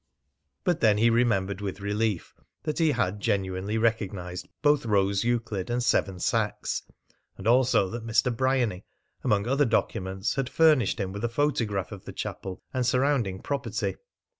But then he remembered with relief that he had genuinely recognised both Rose Euclid and Seven Sachs; and also that Mr. Bryany, among other documents, had furnished him with a photograph of the chapel and surrounding property.